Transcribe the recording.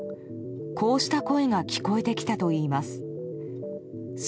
こうした声が聞こえてきたといいます。